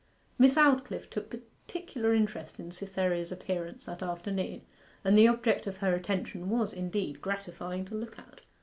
Miss Aldclyffe took particular interest in Cytherea's appearance that afternoon, and the object of her attention was, indeed, gratifying to look at.